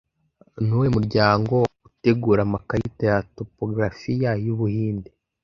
Nuwuhe muryango utegura amakarita ya topografiya y'Ubuhinde